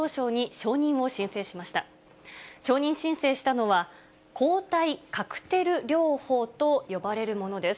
承認申請したのは、抗体カクテル療法と呼ばれるものです。